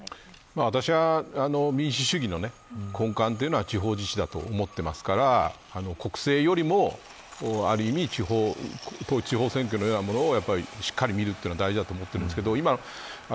私は、民主主義の根幹というのは地方自治だと思っていますから国政よりもある意味統一地方選挙のようなものをしっかり見るというのが大事だと思います。